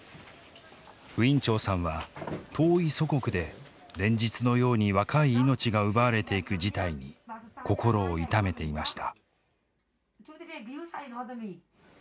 ウィン・チョウさんは遠い祖国で連日のように若い命が奪われていく事態に心を痛めていました。